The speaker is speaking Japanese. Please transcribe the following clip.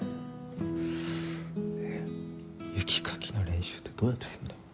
えっ雪かきの練習ってどうやってするんだ？